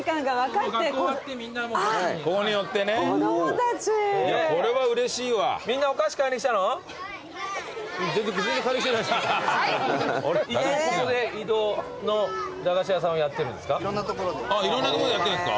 いつもここで移動の駄菓子屋さんをやってるんですか？